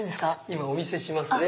今お見せしますね。